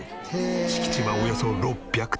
敷地はおよそ６００坪。